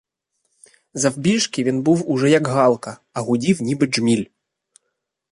Завбільшки він уже був як галка, а гудів, ніби джміль.